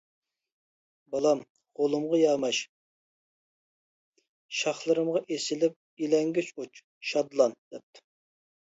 بالام، غولۇمغا ياماش، شاخلىرىمغا ئېسىلىپ ئىلەڭگۈچ ئۇچ، شادلان، -دەپتۇ.